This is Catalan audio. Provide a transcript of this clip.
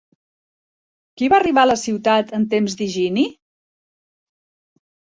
Qui va arribar a la ciutat en temps d'Higini?